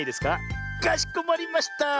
かしこまりました。